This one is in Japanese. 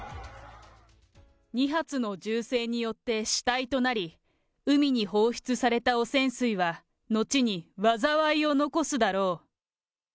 ２発の銃声によって死体となり、海に放出された汚染水は、後に災いを残すだろう。